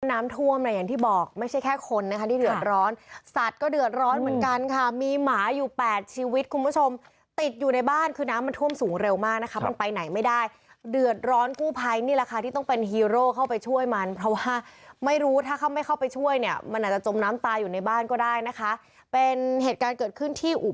น้ำท่วมเนี่ยอย่างที่บอกไม่ใช่แค่คนนะคะที่เดือดร้อนสัตว์ก็เดือดร้อนเหมือนกันค่ะมีหมาอยู่แปดชีวิตคุณผู้ชมติดอยู่ในบ้านคือน้ำมันท่วมสูงเร็วมากนะคะมันไปไหนไม่ได้เดือดร้อนกู้ภัยนี่แหละค่ะที่ต้องเป็นฮีโร่เข้าไปช่วยมันเพราะว่าไม่รู้ถ้าเขาไม่เข้าไปช่วยเนี่ยมันอาจจะจมน้ำตายอยู่ในบ้านก็ได้นะคะเป็นเหตุการณ์เกิดขึ้นที่อุ